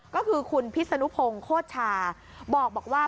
ก็คือคุณพิษนุพงศ์โคตรชาบอกว่า